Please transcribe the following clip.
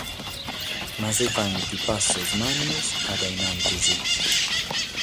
Ma si faghent passos mannos a dae in antis.